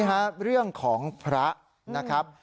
นี่ฮะเรื่องของพระนะครับ